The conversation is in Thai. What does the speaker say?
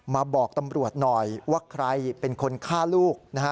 บอกตำรวจหน่อยว่าใครเป็นคนฆ่าลูกนะฮะ